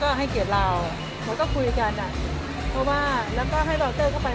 ก็ให้เกียรติเราเราก็คุยกันอ่ะเพราะว่าแล้วก็ให้เบาเตอร์เข้าไป